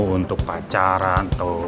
untuk pacaran atau